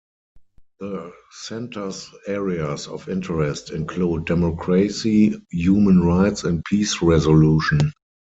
The center's areas of interest include democracy, human rights and peace resolution.